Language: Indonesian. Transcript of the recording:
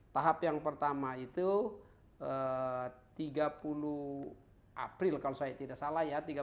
tahap yang pertama itu tiga puluh april kalau saya tidak salah ya